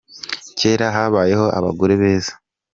Kera habayeho abagore beza.